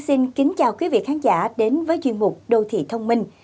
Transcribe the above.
xin kính chào quý vị khán giả đến với chuyên mục đô thị thông minh